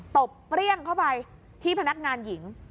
ตบเปรี้ยงเข้าไปที่พนักงานหญิง